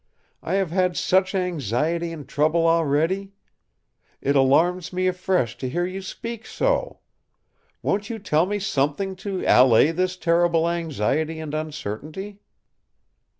I have had such anxiety and trouble already! It alarms me afresh to hear you speak so! Won't you tell me something to allay this terrible anxiety and uncertainty?"